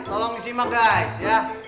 tolong disimak guys ya